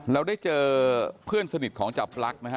เราได้เจอเพื่อนสนิทของจับลักษณ์นะฮะ